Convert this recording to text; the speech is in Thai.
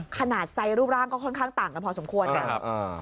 ขนาดไซซ์รูปร่างก็ค่อนข้างต่างกันพอสมควรนะ